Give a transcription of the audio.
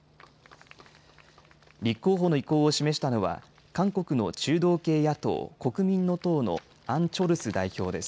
立候補の意向を示したのは韓国の中道系野党国民の党のアン・チョルス代表です。